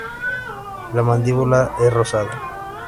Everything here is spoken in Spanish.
La mandíbula es rosada.